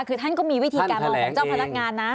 คือท่านก็มีวิธีการมองของเจ้าพนักงานนะ